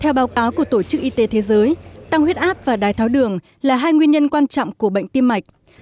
theo báo cáo của tổ chức y tế thế giới tăng huyết áp và đái tháo đường là hai nguyên nhân quan trọng của bệnh tim mạch